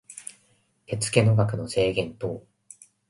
手付の額の制限等